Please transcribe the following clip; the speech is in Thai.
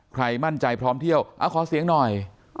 ใครมั่นใจพร้อมเที่ยวขอเสียงหน่อย